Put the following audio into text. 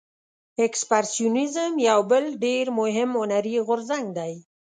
اکسپرسیونیزم یو بل ډیر مهم هنري غورځنګ دی.